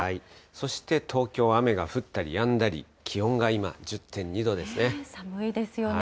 そして東京は雨が降ったりやんだり、気温が今、１０．２度で寒いですよね。